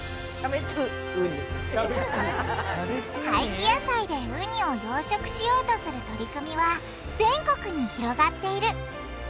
廃棄野菜でウニを養殖しようとする取り組みは全国に広がっている。